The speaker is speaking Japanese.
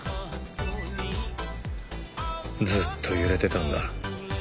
ずっと揺れてたんだ。